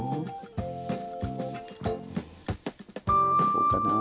こうかな。